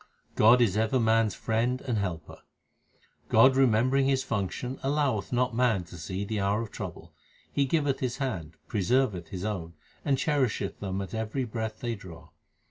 God is ever man s friend and helper : God remembering His function alloweth not man to see the hour of trouble ; He giveth His hand, preserveth His own, and cherisheth them at every breath they draw.